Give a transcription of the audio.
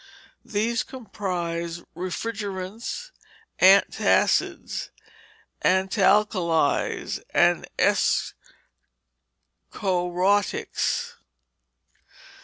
These comprise refrigerants, antacids, antalkalies, and escharotics.